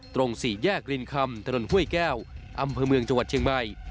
สี่แยกรินคำถนนห้วยแก้วอำเภอเมืองจังหวัดเชียงใหม่